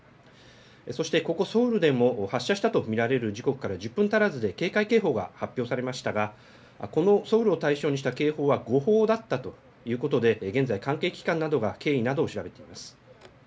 そしてここソウルでも発射したと見られる時刻から１０分足らずで警戒警報が発表されましたがこのソウルを対象にした警報は誤報だったということで現在、関係機関などが経緯などを調べています。